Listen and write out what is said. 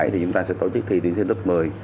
thì chúng ta sẽ tổ chức thi tuyển sinh lớp một mươi